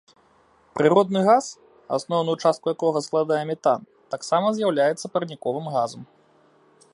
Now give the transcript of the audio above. Прыродны газ, асноўную частку якога складае метан, таксама з'яўляецца парніковым газам.